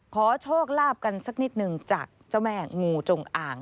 ขอโชคลาภกันสักนิดหนึ่งจากเจ้าแม่งูจงอ่าง